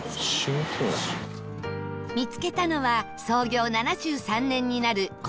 見つけたのは創業７３年になる小島屋製菓店